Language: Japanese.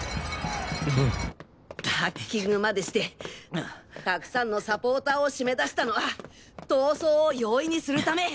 ハッキングまでしてたくさんのサポーターを締め出したのは逃走を容易にするため。